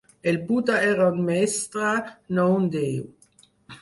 El Buda era un mestre, no un déu.